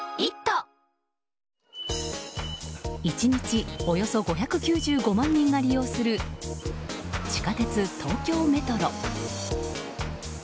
１日およそ５９５万人が利用する地下鉄、東京メトロ。